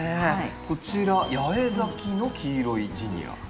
こちら八重咲きの黄色いジニアですかね。